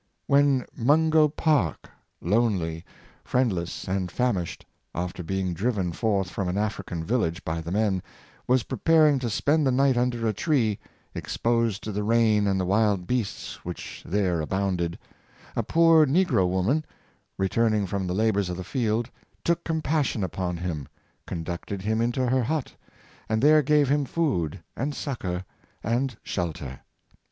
When Mungo Park, lonel}', friendless, and famished^ after being driven forth from an African village by the men, was preparing to spend the night under a tree, exposed to the rain and the wild beasts which there abounded, a poor negro woman, returning from the la bors of the field, took compassion upon him, conducted him into her hut, and there gave him food, and succor^ and shelter.